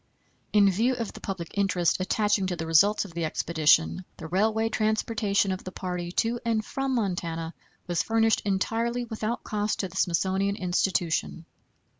In view of the public interest attaching to the results of the expedition, the railway transportation of the party to and from Montana was furnished entirely without cost to the Smithsonian Institution.